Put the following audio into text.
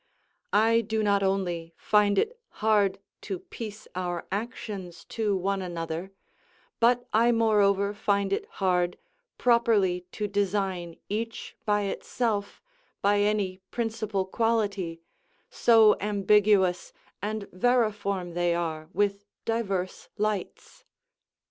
I do not only find it hard to piece our actions to one another, but I moreover find it hard properly to design each by itself by any principal quality, so ambiguous and variform they are with diverse lights.